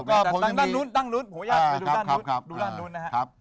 แต่ตั้งด้านนู้นตั้งด้านนู้นผมอยากไปดูด้านนู้นนะครับ